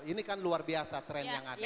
ini kan luar biasa tren yang ada